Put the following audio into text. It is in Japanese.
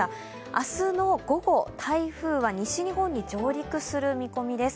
明日の午後、台風は西日本に上陸する見込みです。